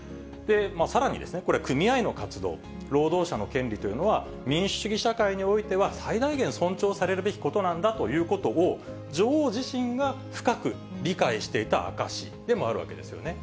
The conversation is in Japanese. さらにですね、組合員の活動、労働者の権利というのは民主主義社会においては最大限尊重されるべきことなんだということを、女王自身が深く理解していた証しでもあるわけですよね。